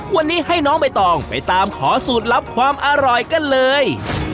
วันนี้ให้น้องใบตองไปตามขอสูตรลับความอร่อยกันเลย